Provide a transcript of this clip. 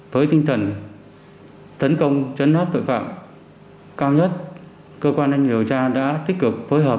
với tinh thần thấn công chấn nát tội phạm cao nhất cơ quan đánh điều tra đã tích cực phối hợp